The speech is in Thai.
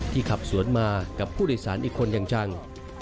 ขับสวนมากับผู้โดยสารอีกคนอย่างจัง